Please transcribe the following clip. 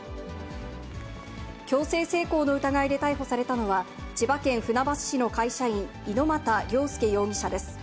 強制性交の疑いで逮捕されたのは、千葉県船橋市の会社員、猪股良介容疑者です。